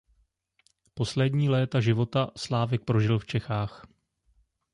Poslední léta života Slávek prožil v Čechách.